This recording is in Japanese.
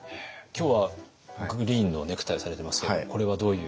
今日はグリーンのネクタイをされてますけどこれはどういう？